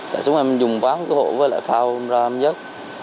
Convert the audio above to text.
chạy xuống em dùng quán cứu hộ với lại phao ra em dớt